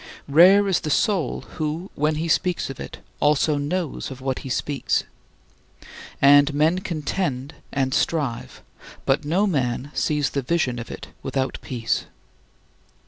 Rare is the soul who, when he speaks of it, also knows of what he speaks. And men contend and strive, but no man sees the vision of it without peace.